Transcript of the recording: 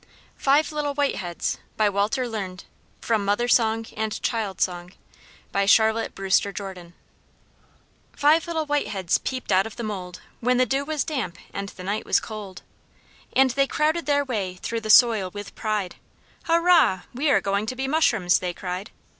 FIVE LITTLE WHITE HEADS [Footnote 1: From Mother Song and Child Song, Charlotte Brewster Jordan.] BY WALTER LEARNED Five little white heads peeped out of the mould, When the dew was damp and the night was cold; And they crowded their way through the soil with pride; "Hurrah! We are going to be mushrooms!" they cried.